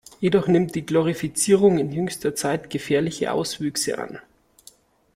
Jedoch nimmt die Glorifizierung in jüngster Zeit gefährliche Auswüchse an.